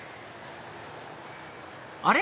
あれ？